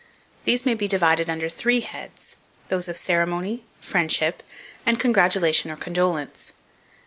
These may be divided under three heads: those of ceremony, friendship, and congratulation or condolence.